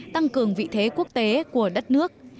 tăng cường vị thế quốc tế của đất nước